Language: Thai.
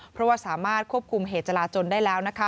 เพราะว่าสามารถควบคุมเหตุจราจนได้แล้วนะคะ